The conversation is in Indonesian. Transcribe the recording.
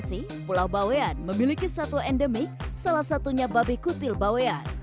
satwa endemik salah satunya babi kutil bawean